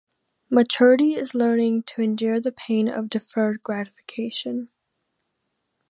Maturity is learning to endure the pain of deferred gratification.